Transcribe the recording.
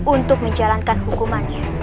untuk menjalankan hukumannya